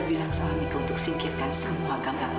mira adalah anissa mama